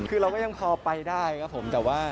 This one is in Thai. คือเราก็ยังพอไปได้ครับผมแต่ว่า